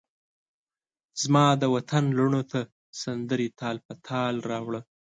زمادوطن لوڼوته سندرې تال په تال راوړه